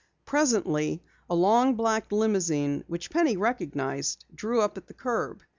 Presently a long black limousine which Penny recognized drew up at the curb.